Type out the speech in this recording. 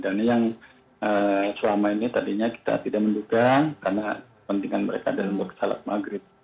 dan yang suami ini tadinya kita tidak menduga karena kepentingan mereka dalam berkesalahan maghrib